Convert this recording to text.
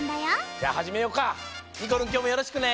じゃあはじめようか！にこるんきょうもよろしくね！